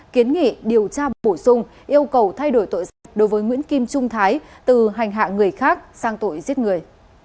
kiến nghị điều tra bổ sung yêu cầu thay đổi tội danh đối với nguyễn kim trung thái từ hành hạ người khác sang tội giết người